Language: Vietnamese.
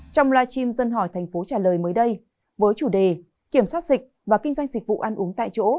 trong live stream dân hỏi thành phố trả lời mới đây với chủ đề kiểm soát dịch và kinh doanh dịch vụ ăn uống tại chỗ